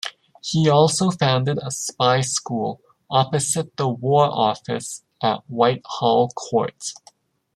He also founded a spy school opposite the War Office at Whitehall Court.